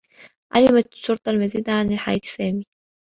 علمت الشّرطة المزيد عن حياة سامي.